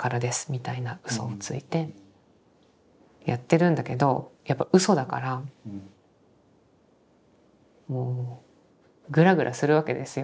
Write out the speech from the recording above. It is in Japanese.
みたいなうそをついてやってるんだけどやっぱうそだからもうグラグラするわけですよ。